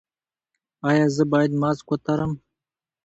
ایا زه باید ماسک وتړم؟